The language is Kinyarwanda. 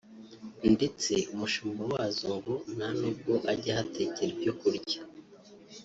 ndetse umushumba wazo ngo nta nubwo ajya ahatekera ibyo kurya